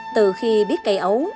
từ khi biết cây ấu